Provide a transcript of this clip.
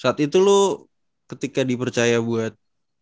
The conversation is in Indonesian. saat itu lo ketika dipercaya buat